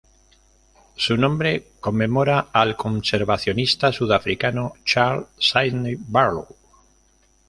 Su nombre conmemora al conservacionista sudafricano Charles Sydney Barlow.